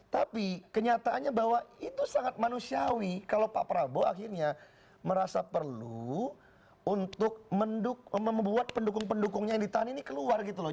tapi kenyataannya bahwa itu sangat manusiawi kalau pak prabowo akhirnya merasa perlu untuk membuat pendukung pendukungnya yang ditahan ini keluar gitu loh